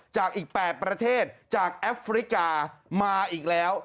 จากอีก๘ประเทศจากแอฟริกามาอีกแล้ว